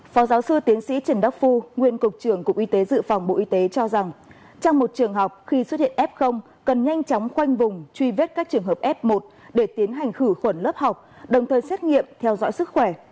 phó giáo sư tiến sĩ trần đắc phu nguyên cục trưởng cục y tế dự phòng bộ y tế cho rằng trong một trường học khi xuất hiện f cần nhanh chóng khoanh vùng truy vết các trường hợp f một để tiến hành khử khuẩn lớp học đồng thời xét nghiệm theo dõi sức khỏe